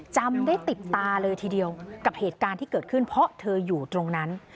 จำได้ติดตาเลยทีเดียวกับเหตุการณ์ที่เกิดขึ้นเพราะเธออยู่ตรงนั้น